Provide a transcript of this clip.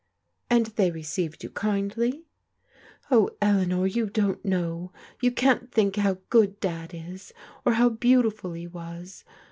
"And they received you kindly?" " Oh, Eleanor, you don't know ! You can't think how good Dad is, or how beautiful he was.